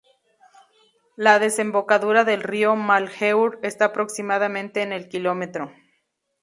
La desembocadura del río Malheur está aproximadamente en el km.